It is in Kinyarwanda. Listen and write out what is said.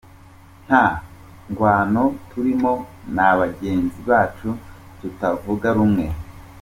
"Nta ngwano turimwo na bagenzibacu tutavuga rumwe.